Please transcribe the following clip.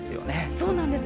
そうなんです。